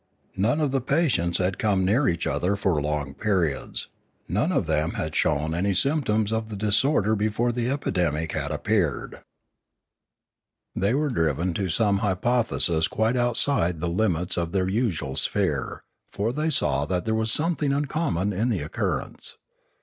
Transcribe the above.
None of the patients had come near each other for long periods; none of them had shown any symptoms of the disorder before the epidemic had appeared. They were driven to some hypothesis quite outside the limits of their usual sphere, for they saw that there was something uncommon in the occurrence.